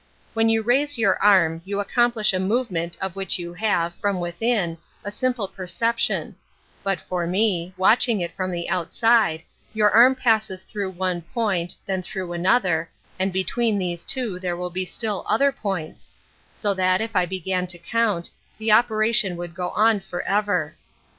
When you raise your arm, you accomplish a movement of which you have, from within, a simple perception; but for me, watching it from the outside, your arm passes through one point, then through another, and between these two there will be still other points; so that, if I began to count, the operation would go on for ever.